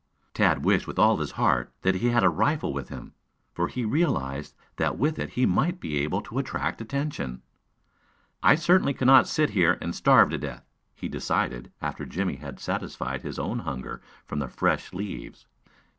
Tad wished with all his heart, that he had his rifle with him, for he realized that with it he might be able to attract attention. "I certainly cannot sit here and starve to death," he decided after Jimmie had satisfied his own hunger from the fresh green leaves.